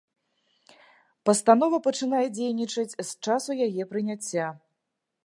Пастанова пачынае дзейнічаць з часу яе прыняцця.